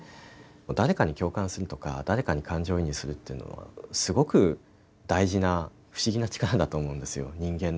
誰かに共感するとか誰かに感情移入するというのはすごく大事な、不思議な力だと思うんですよ、人間の。